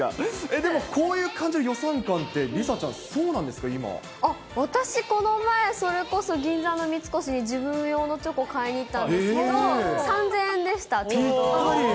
でも、こういう感じの予算感って、私、この前、それこそ銀座の三越へ自分用のチョコ買いに行ったんですけど、３０００円でしたぴったり。